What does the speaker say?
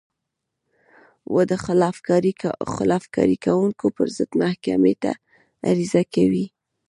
و د خلاف کارۍ کوونکو پر ضد محکمې ته عریضه کوي.